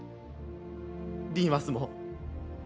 リーマスも∈